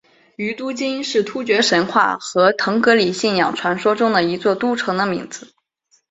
于都斤是突厥神话和腾格里信仰传说中的一座都城的名字。